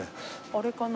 あれかな？